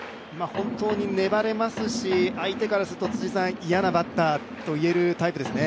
本当に粘れますし、相手からすると嫌なバッターといえるタイプですね。